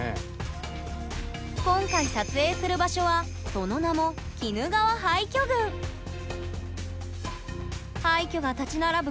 今回撮影する場所はその名も廃虚が立ち並ぶ